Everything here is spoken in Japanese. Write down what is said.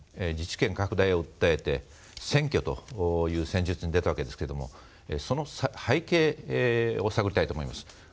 自治権拡大を訴えて占拠という戦術に出たわけですけれどもその背景を探りたいと思います。